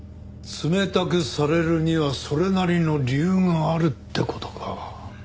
冷たくされるにはそれなりの理由があるって事か。